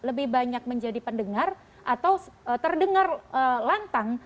lebih banyak menjadi pendengar atau terdengar lantang